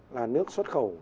là nước xuất khẩu